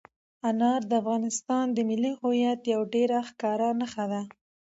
انار د افغانستان د ملي هویت یوه ډېره ښکاره نښه ده.